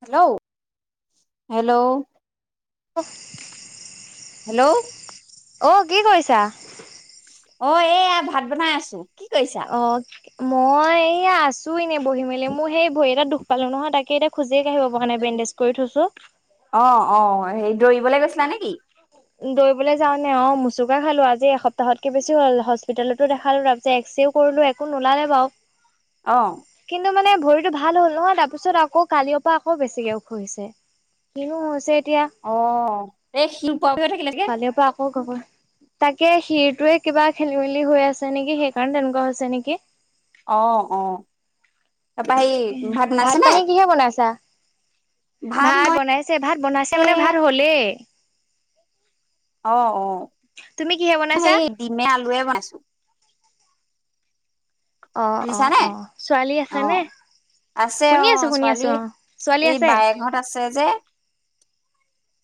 Hello hello [unintelligible] hello অ কি কৰিছা অ এয়া ভাত বনাই আছো কি কৰিছা? অ মই এইয়া আছো এনেই বহি মেলি মোৰ সেই এটা দুখ পালো নহয় তাকে এতিয়া খোজ জেই কাঢ়িব পৰা নাই বেণ্ডেজ কৰি থৈছো অ অ হেৰি দৌৰিবলে গৈছিলা নেকি দৌৰিবলৈ যাও নে অ মোচুকা খালো আজি একসপ্তাহতকে বেছি হ'ল হস্পিটলতো দেখালো তাৰপিছত এক্সেও কৰিলো একো নোলালে বাও অ কিন্তু মানে ভৰিটো ভাল হ'ল নহয় তাৰ পিছত আকৌ কালিৰ পৰা আকৌ বেছিকে ওখহিছে কিনো হৈছে এতিয়া অ এই শি কালিৰ পৰা আকৌ ঘবৰ তাক কে শিৰটোৱে কিবা খেলি মেলি হৈ আছে নেকি সেইকাৰণে তেনেকোৱা হৈছে নেকি অ অ তাৰপা সেই তাকে বনাইছে ভাত নে? পানী কিহে বনাইছা ভাত বনাইছে ভাত বনাইছে মানে ভাত হলেই অ অ তুমি কিহে বনাইছা? সেই ডিমে আলুৱে বনাইছো অ অ শুনিছানে অ ছোৱালী আছে অ নে আছে শুনি অ আছো শুনি আছো ছোৱালী অ। ছোৱালী এই আছে? বায়েকহত আছে যে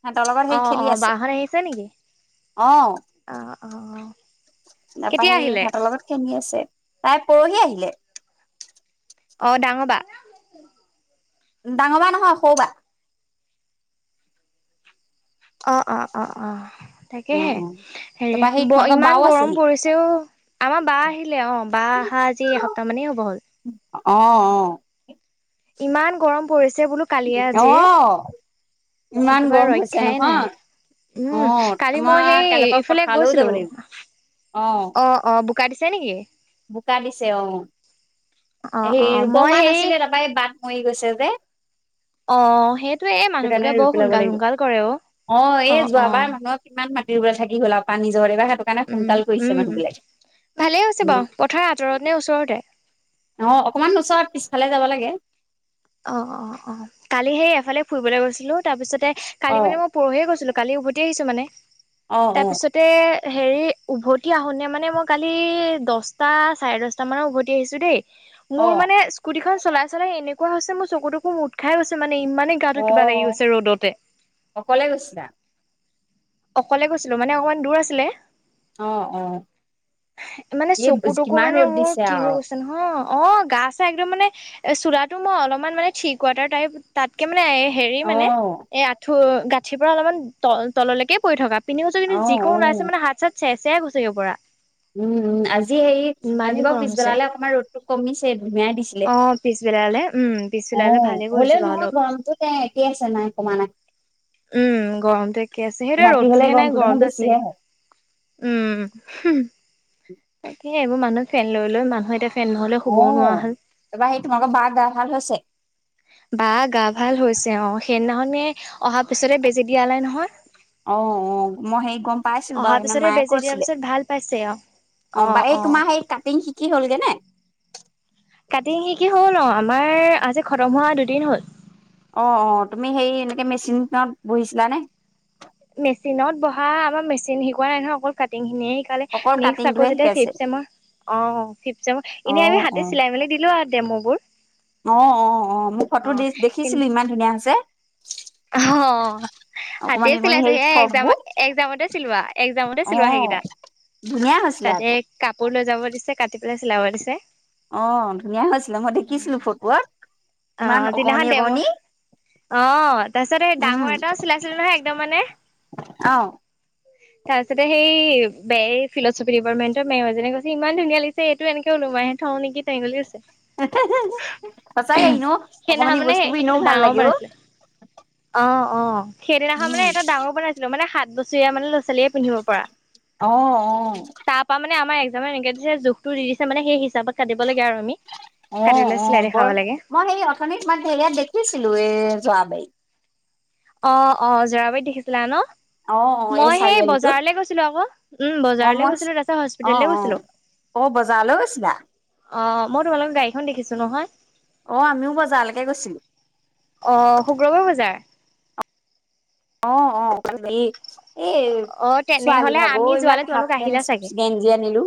সিহঁতৰ লগত সেই অ খেলি অ আছে বাহত আহিছে নেকি অ অ অ তা পা সেই সেহঁতৰ লগত খেলি আছে তাই পৰহি আহিলে অ ডাঙৰ বা ডাঙৰ বা নহয় সৌবা অ অ অ অ অ তাকেহে অ হেৰি তাৰপৰা সেই তোমালোকৰ বাও ইমান গৰম আছেহি। পৰিছেও আমাৰ বা আহিলে অ বা অহা আজি এসপ্তাহ মানেই হ'ব হ'ল অ অ ইমান গৰম পৰিছে বোলো কালিয়ে অ আজিয়ে ইমান একেবাৰে গৰম হৈছে ৰক্ষাই নহয় নাই অ উম কালি মই আমাৰ কাইলৈৰ সেই পৰা ইফালে পথাৰলৈও যাব গৈছিলো লাগিব অ অ অ বোকা দিছে নেকি বোকা দিছে অ অ অ অ হেই ৰুব মই হোৱা হেৰি নাছিলে তাৰপৰা এ বাট মৰি গৈছে যে অ সেইটোয়ে সেইটো কাৰণে মানুহবোৰে ৰুই বৰ পেলাব সোনকাল লাগিব সোনকাল কৰে অ অ এ যোৱাবাৰ মানুহক কিমান মাটিৰ ৰোব থাকি গ'ল আও পানী যদি বা সেইটো কাৰণে উম সোনকাল কৰিছে উম মানুহ বিলাক ভালেই হৈছে উম। বাৰু পথাৰ আঁতৰত নে ওচৰতে অ অকমান ওচৰত পিছফালে যাব লাগে। অ অ অ কালি সেই এফালে ফুৰিবলে গৈছিলো তাৰ পিছতে অ কালি মানে মই পৰহিয়ে গৈছিলো। কালি উভতি আহিছো মানে, অ অ তাৰপিছতে হেৰি উভতি আহোঁনে মানে মই কালি দহটা চাৰে দহটামানৰ উভতি আহিছোঁ দেই। অ মোৰ মানে স্কুটিখন চলাই চলাই এনেকুৱা হৈছে মোৰ চকুতো মোট খাই গৈছে মানে। ইমানেই গাটো অ কিবা লাগি গৈছে ৰ'দতে। অকলে গৈছিলা অকলে গৈছিলো মানে অকমান দূৰ আছিলে। অ অ মানে এই চকু তকু কিমান মানে ৰ'দ মোৰ দিছে কি হৈ আৰু গৈছে নহ অ গা চা একদম মানে চোলাটো মই অলপমান মানে ঠিক ৱাটাৰ টাইপ তাতকে। মানে হেৰি মানে অ', এ আঁঠু গাঁঠিৰ পৰা অলপমান তল তললৈকে পৰি থকা। পিন্ধিছো কিন্তু অ', যিকোনো অ', নাইছে মানে হাত চাত চেৰ চেয়াই গৈচেগে পোৰা। উম উ আজি হেৰি আজি বাৰু গৰম হৈছে পিছবেলালে অকণমান ৰ'দটো কমিছে ধুনীয়াই দিছিলে। অ পিছবেলালে উম অ পিছবেলালে ভালে কৰিছো হ'লেও বাৰু নহয় অলপ গৰমটো তে একেই আছে নাই কমা নাই। উম গৰমটো একে আছে হে য়া ৰাতি হ'লে ৰ'দটোহে নাই দেখোন গৰমটো আছে বেছিহে হয়, উম। তাকে এইবোৰ মানুহ ফেন লৈ লৈ মানুহ এতিয়া ফেন্ নহ'লে শুবও নোৱাৰা অ', হ'ল। তাৰপৰা সেই তোমালোকৰ বাৰ গা ভাল হৈছে? বা গা ভাল হৈছে অ সেইদিনাখননে অহা পিছতে বেজি দিয়া লেই নহয়। অ অ মই সেই গম পাইছিলো বাৰু অহাৰ সেইদিনা পিছতে মায়ে বেজি দিয়াৰ কৈছিলে। পিছত ভাল পাইছে আৰু অ বা এই তোমাৰ সেই কাটিং শিকি হ'লগে নে? কাটিং শিকি হ'ল অ আমাৰ আজি খতম হোৱা দুদিন হ'ল। অ অ তুমি সেই এনেকে মেচিনত বহিছিলানে? মেচিনত বহা আমাৰ মেচিন শিকোৱা নাই নহয়, অকল কাটিং অকল খিনি নেক্সট্ কাটিংটোহে আকৌ যেতিয়া শিকাইছে। ফিফট চেমৰ অ ফিফট চেমৰ অ', এনেই আমি হাতে অ', চিলাই মেলি দিলো আও। ডেমুবোৰ। অ অ অ মোক ফটো দেখিছিলো ইমান ধুনীয়া হৈছে? অ অকমানি হাতেই অকমানি চিলাইছো সেই সেয়া একজাম ফ্ৰকবোৰ। এক্জামতে চিলোৱা এক্জামতে চিলোৱা সেইকেইটা। [unintelligible] হৈছিলে তাতে আকৌ কাপোৰ লৈ যাব দিছে কাটি পেলাই চিলাব দিছে। অ ধুনীয়া হৈছিলে মই দেখিছিলো ফটোত অ ইমান যিদিনাখন অকমানি ডেম' অকমানণি। অ তাৰপিছত এই ডাঙৰ এটাও চিলাই ছিলো নহয় একদম মানে। অ', তাৰছতে সেই বেয় এই ফিলচফি ডিপাৰ্টমেণ্টৰ মোজীনে কৈছে ইমান ধুনীয়া লাগিছে এইটো এনেকে ওলোমাইহে থওঁ নেকি। [unintelligible] সঁচাকেই ন সেইদিনাখন অকমানি মানে বস্তুবোৰ সেইকেইটা এনেও ভাল ডাঙৰ লাগে বান অ। আছিলে অ অ সেইদিনাখন মানে উম, এটা ডাঙৰ বনাইছিলো মানে সাত বছৰীয়া মানে লৈ। সৰু ছোৱালীয়ে পিন্ধিব পৰা, অ', তৰপা মানে আমাৰ তাৰে এনেকে দিছে জোখটো দি দিছে মানে সেই হিচাপত কাটিব লাগে আৰু আমি, কাটি অ', অ', পেলাই চিলাই অ', দেখাব বৰ লাগে। মই সেই অথনি মাত হেয়াত দেখিছিলো এ যোৱাবাৰি। অ অ যৰাবাৰীত দেখিছিলা ন? অ', অ', এই মই সেই চাৰিআলিটোত বজাৰলে গৈছিলো আকৌ উম অ', বজাৰলৈ মই গৈছিলো তাৰছত অ', হস্পিতেললে অ', গৈছিলো। অ বজাৰলৈ গৈছিলা? অ অ মই তোমালোকৰ গাড়ীখন দেখিছো নহয়। অ আমিও বজাৰলেকে গৈছিলো। অ শুক্ৰবাৰ বজাৰ? অ অ [unintelligible] এই অ তেনেহলে ছোৱালীভাগৰ আমি এইবিলাক যোৱালে হাফ তোমালোক আহিলা পেণ্ট চাগে গেঞ্জি আনিলো।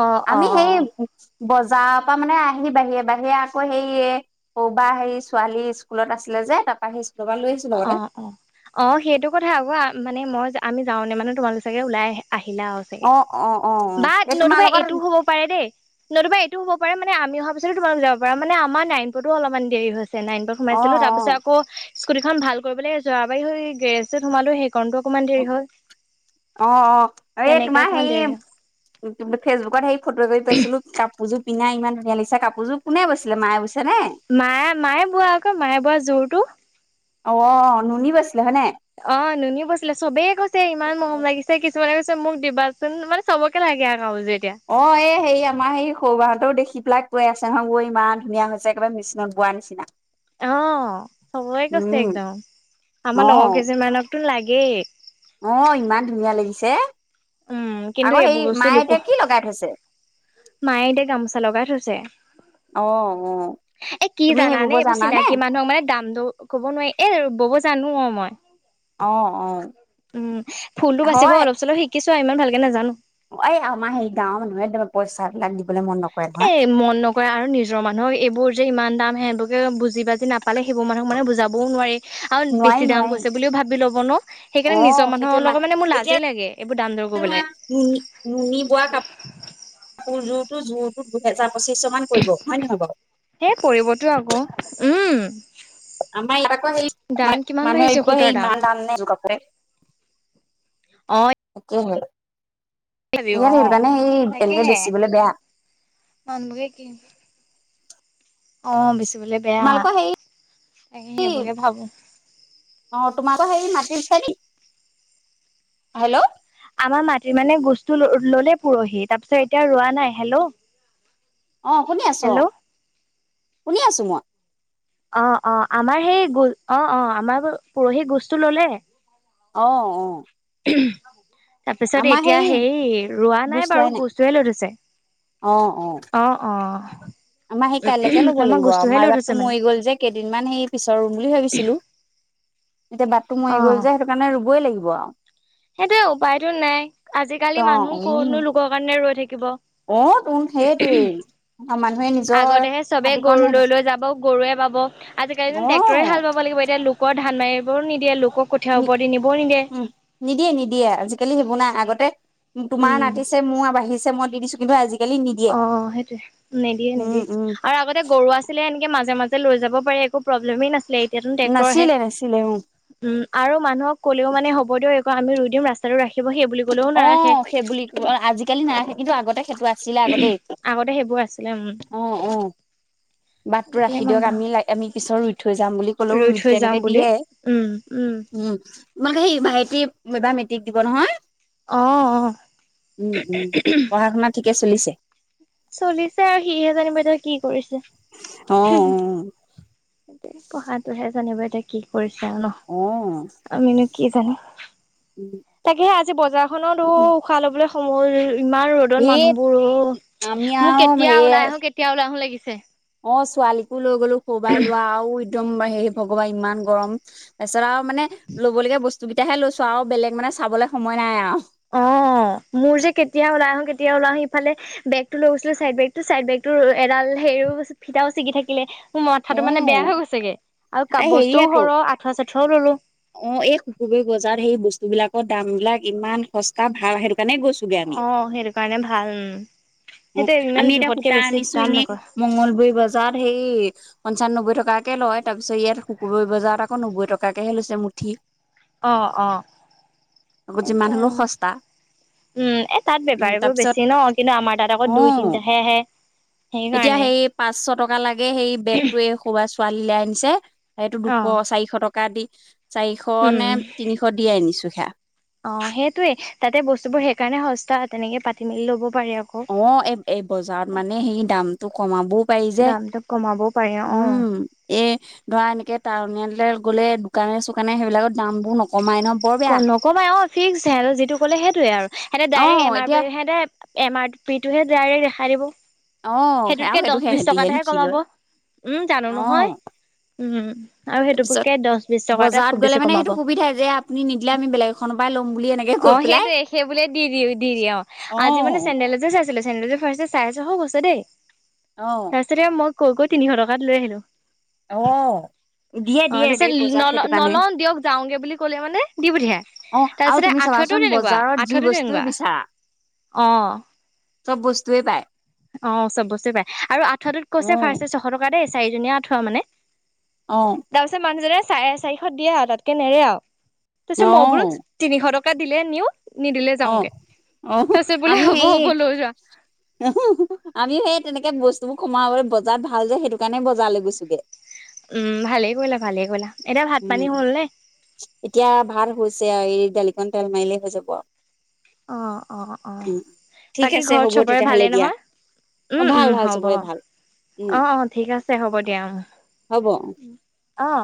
অ অ আমি অ সেই বজাৰৰ পৰা মানে আহি বাহিৰে বাহিৰে আকৌ হেৰিয় কৰ'বা হেৰি ছোৱালী স্কুলত আছিলে। যে তাপা আহিছে। অ অ অ অ সেইটো কথা আকৌ মানে মই আমি যাওনে মানে তোমালোকচাগে ওলাই আহে। আহিলাও চাগে অ অ অ বা এই তোমাৰ নতুবা এইটো লগত হ'ব পাৰে দেই নতুবা। এইটো হ'ব পাৰে মানে আমি অহা পিছত তোমালোক যাব পাৰা। মানে আমাৰ নাইনপুৰতো অলপমান দেৰি হৈ তে নাইনপুৰত অ অ সোমাইছিলো। তাৰ পিছত আকৌ স্কুটিখন ভাল কৰিবলে যোৱাবাৰি হৈ এই গেৰেজটোত সোমালো। ইমান দেৰি হয়। অ-অ এই তোমাৰ হেই দেৰি হ'ল কি ফেচবুকত হেৰি ফটো একপি পাইছিলো কাপোৰযোৰ পিন্ধা। ইমান ধুনীয়া লাগিছে কাপোৰযোৰ। কোনে বৈছিলে মায়ে বৈছে নে মায়ে, মায়ে বোৱা আকৌ। মায়ে বোৱা জোৰটো। অ নুনি বাছ অ নুনি বৈছিলে। চবে কৈছে ইমান মৰম লাগিছে। কিছুমানে কৈছে মোক দিবাচোন। মানে চবকে লাগে আ অ, এই হেই আমাৰ সেই সৌ বাহঁতৰো দেখি পেলাই কৈ আছে হয় ঔ ইমান ধুনীয়া হৈছে একেবাৰে মিচিনত বোৱা নিচিনা। অ চবেই কৈছে উম একদম। আমাৰ লগৰ অ কেইজনীমানক টো লাগেই। অ, ইমান ধুনীয়া লাগিছে। উম কিন্তু আকৌ সেই এইবোৰ বস্তু মায়ে লোক এতিয়া কি লগাই থৈছে? মায়ে এতিয়া গামোচা লগাই থৈছে। এ কি তুমি সেই জানানে? বব এইবোৰ চিনাকি মানুহক মানে দাম দ ক'ব নোৱাৰি এ ববছ জানো অ মই। উম, ফুলটো বাচিব হয়। অলপ চলপ শিকিছো। ইমান ভাল কে নাজানো। এই আমাৰ সেই গাওঁৰ মানুহে তোমাৰ পইচা বিলাক দি এ মন নকৰে আৰু নিজৰ মানুহক এইবোৰ যে ইমান দাম। [unintelligible] বুজি-বাজি নাপালে সেইবোৰ মানুহক মানে বুজাবও নোৱাৰি। আৰু নোৱাৰি বেছি দাম নোৱাৰি। কৈছে বুলিও ভাবি ল'ব ন। সেইকাৰণে অ' নিজৰ সেইটোৱে মানুহৰ লগত মানে মোৰ লাজেই লাগে। এইবোৰ দাম দৰ কৰিবলৈ নুনি, নুনি বোৱা কাপ কাপোৰযোৰতো জোৰতোত দুহেজাৰ। পঁচিশ মান পৰিব হয় নহয় বাৰু? সেই পৰিবতো আকৌ। উম। আমাৰ ইয়াত আকৌ সেই দাম কিমান মানুহ মানুহে বাঢ়িছে ভাবিব সূতাৰ সেই ইমান দাম নে এযোৰ অ কাপোৰেই। [unintelligible] [unintelligible] অ এনেকে তাকেহে। বেচিবলে বেয়া। [unintelligible] কি অ বেছি বোলে বেয়া। তোমালোকৰ হেৰি তাকে সেইবোকে ভাবোঁ। অ' তোমালোকৰ [unintelligible] হেল্ল' আমাৰ মাটিৰ মানে বস্তু ল ললে পৰহি। তাৰপিছত এতিয়া ৰোৱা নাই। হেল্ল' অ, শুনি আছো। হেল্ল' অ, শুনি আছো মই। অ-অ আমাৰ সেই অ-অ আমাৰ পৰহি গোজটো ল'লে। অ-অ। তাৰপিছত এতিয়া হেই ৰোৱা নাই বুজ বাৰু। লোৱাই গুছটুহে লৈ থৈছে। অ অ অ-অ। আমাৰ সেই কাইলৈকে ল'ব লাগিব। আও আমা লৈ থৈছে ৰুৱাবাটতো মানে মৰি গ'ল যে কেইদিনমান সেই পিছত ৰুম বুলি ভাবিছিলো। এতিয়া বাটটো মৰি গ'ল যে সেইটো কাৰণে ৰুবই লাগিব আও। সেইটোৱে উপায়টো নাই। আজিকালি অ মানুহ উম কতনো লোকৰ কাৰণে ৰৈ থাকিব। অ তোন সেইটোৱেই মানুহে নিজৰ আগতেহে চবে মাটিকণ গৰু সেই লৈ লৈ যাব। গৰুৱে বাব আজিকালি নু অ ট্ৰেক্টৰে হাল বাব লাগিব। এতিয়া লোকৰ ধান মাৰিবও নিদিয়ে। লোক আকৌ কঠীয়া ওপৰেদি নিবও নিদিয়ে। দিয়ে আজিকালি সেইবোৰ নাই। আগতে তোমাৰ উম নাটিছে, মোৰ বাহিছে মই দি দিছো। কিন্তু আজি অ সেইটোৱে। নিদিয়ে, উম নিদিয়ে। উম আৰু আগতে গৰু আছিলে এনেকে মাজে মাজে লৈ যাব পাৰি। একো প্ৰব্লেমেই নাছিলে। এতিয়াতনো ট্ৰেক্টৰ হে নাছিলে নাছিলে উম উম আৰু মানুহক ক'লেও মানে হ'ব দিয়। ক আমি ৰুই দিম ৰাস্তাটো ৰাখিব হি। অহ সেই বুলি আজিকালি নাই কিন্তু আগতে সেইটো আ। চিলাব দেই আগতে সেইবোৰ আছিলে উম। অহ অহ। বাটটো আজিকালি ৰাখি দিয়ক মানুহ আমি আমি পিছত ৰুই থৈ যাম বুলি কলেও ৰুই থৈ যাম তেনেকে বুলি দিয়ে। উম উম তোমালোকে সেই ভাইটি এবা মেট্ৰিক দিব নহয়। অ অ। উম উম পঢ়া শুনা ঠিকে চলিছে। চলিছে আৰু সিহে জানিব এতিয়া কি কৰিছে। অ পঢ়াটোহে জানিবা এতিয়া কি কৰিছে আৰু ন অ আমিনো কি জানো। তাকেহে আজি বজাৰখনতো অ উশাহ লবলৈ সময় ইমান ৰ'দত সেই মানুহবোৰ আমি অহ মোক কেতিয়া ওলাই আহো কেতিয়া ওলাই আহো লাগিছে অহ ছোৱালীকো লৈ গলো সৰু পৰাইলোৱা আৰু একদম হে ভগৱান ইমান গৰম তাৰপিছত আৰু মানে ল'ব লগীয়া বস্তু তেতিয়াহে লৈছো আৰু বেলেগ মানে চাবলৈ সময় নাই আৰু অহ মোৰ যে কেতিয়া ওলাই আহো কেতিয়া আহো আহো ইফালে বেগটো লৈ গৈছিলে চাইদ বেগটো চাইদ বেগটো এডাল হেও ফিতাও ছিগি থাকিলে মোৰ অ মাথাটো মানে বেয়া হৈ গৈছেগে আৰু কাপ বস্তু সৰু আঠুৱা চাঠুৱাও ললো অহ এই শুক্ৰবাৰে বজাৰত সেই বস্তু বিলাকৰ দাম বিলাক ইমান সস্তা ভাল হে অহ সেইটো কাৰণে ভাল অহ সেইটো ইমান আমি এতিয়া জোখতকে সূতা বেছি আনিছো দাম এনেই নকয় মংগলবৈ বজাৰত সেই পঞ্চান নবৈ টকাত তাকে লয় তাৰপিছত ইয়াত শুকুৰবৰি বজাৰত আক নবৈ টকাকেহে লৈছে মুঠি অহ অহ আকৌ যিমান হ'লেও সস্তা উম এ তাত উম বেপাৰীবোৰ তাৰপিছত বেছি ন কিন্তু আমাৰ তাত আকৌ অ দুই তিনিটাহে আহে এতিয়া সেইকাৰণে সেই পাঁচশ টকা লাগে সেই বেগটো ছোৱালীলে আনিছে এইটো দুশ অ চাৰিশ টকা দি চাৰিশ উম নে তিনিশ দিয়ে আনিছো সেইয়া অহ সেইটোৱেই তাতে বস্তুবোৰ সেইকাৰণে সস্তা তেনেকে পাতি মেলি ল'ব পাৰি আকৌ অহ এই এই বজাৰত মানে সেই দামটো কমাবও পাৰি যে দামটো কমাবও পাৰি অ উম এই ধৰা এনেকে টাউনলে গ'লে দোকানে চোকানে সেইবিলাকৰ দামবোৰ নকমাই ন বৰ বেয়া নকমাই অ ফিক্স হালটে যিটো ক'লে সেইটোৱে আৰু সিহঁতে ডাইৰেক্ট অ', এম আৰ এতিয়া পি সিহঁতে এম আৰ পিটোহে ডাই [unintelligible] ৰেক্ত দেখাই দিব অ', আৰু সেইটোতকে দহ সেইটো বিশ সেহেঁতিহে টকাতহে লিখি কমাব লয় উম জানো নহয় অ', উম আৰু তাৰপিছত সেইটোকে দহ বিশ টকা এটা বজাৰত খুব গ'লে বেছি মানে কমাব সেইটো সুবিধা যে আপুনি নিদিলে আমি বেলেগ এখনৰ পৰাই ল'ম বুলি এনেকে কৈ অহ পেলাই সেইটোয়ে সেই বুলিয়ে দি দিয়ে অহ আজি মানে অ', চেণ্ডেল এজোৰ চাইছিলো চেণ্ডেল জোৰ ফাষ্টততে চাৰে ছশ কৈছে দেই অ', তাৰ পিছতে মই কৈ কৈ তিনিশ টকাত লৈ আহিলো অহ অহ তাৰপিছত ন নলও দিয়ক যাওঁগে বুলি কলে মানে দি অ', পঠিয়াই আৰু তাৰপিছতে তুমি আঠুৱাটো চাবাচোন তেনেকুৱা বজাৰত যি আঠুৱাটো বস্তুৱে তেনেকুৱা বিচাৰা অহ চব বস্তুয়ে পায় অহ চব বস্তুৱে পায় আৰু আঠুৱাটোত কৈছে অ', ফাৰ্ষ্ট ছশ টকা দেই চাৰিজনীয়া আঠুৱা মানে অ', তাৰপিছত মানুহজনে চাৰে চাৰিশত দিয়ে আৰু তাতকে নেৰে আৰু তাৰপিছত মই বোলো অ', তিনিশ টকা দিলে নিও নিদিলে অহ যাওঁগে ও তাৰপিছত [unintelligible] বোলে আমি হ'ব হে হ'ব লৈ যোৱা আমিও সেই তেনেকে বস্তুবোৰ কমাবলৈ বজাৰ ভাল যে সেইটো কাৰণে বজাৰ লে গৈছোগে উম ভালে কৰিলা ভালে কৰিলা এতিয়া ভাত উম পানী হ'ল নে এতিয়া ভাত হৈছে আৰু এই দালিকন তেল মাৰিলেই হৈ যাব অ অ অ আৰু উম ঠিক বাকী আছে ঘৰত হ'ব চবৰে ভালেই তেতিয়াহ'লে দিয়া নহয় অ উম উম ভাল ভাল হ'ব চবৰে ভাল উম অ অ ঠিক আছে হ'ব দিয়া হ'ব অ অ